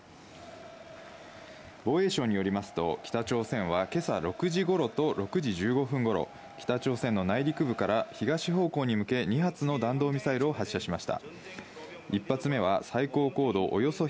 防衛省によりますと北朝鮮は今朝６時頃と６時１５分頃、北朝鮮の内陸部から東方向に向け２発の弾道ミサイルを発射しました。